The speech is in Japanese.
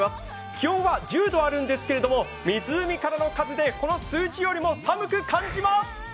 気温は１０度あるんですけれども、湖からの風でこの数字よりも寒く感じます。